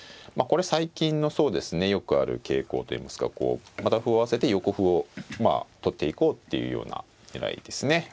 これ最近のそうですねよくある傾向といいますかこうまた歩を合わせて横歩をまあ取っていこうっていうような狙いですね。